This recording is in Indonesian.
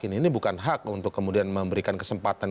ini bukan hak untuk kemudian memberikan kesempatan